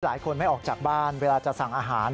หลายคนไม่ออกจากบ้านเวลาจะสั่งอาหาร